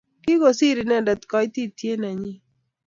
Kigosiir inendet koitityet nenyi